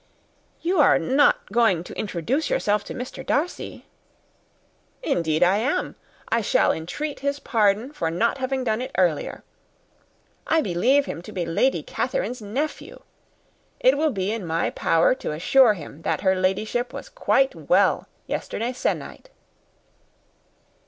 "You are not going to introduce yourself to Mr. Darcy?" "Indeed I am. I shall entreat his pardon for not having done it earlier. I believe him to be Lady Catherine's nephew. It will be in my power to assure him that her Ladyship was quite well yesterday se'nnight."